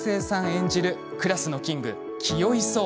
演じるクラスのキング清居奏。